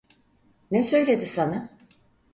Ne söyledi sana?